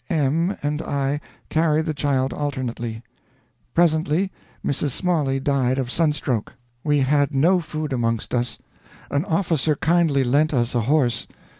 M and I carried the child alternately. Presently Mrs. Smalley died of sunstroke. We had no food amongst us. An officer kindly lent us a horse.